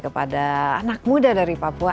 kepada anak muda dari papua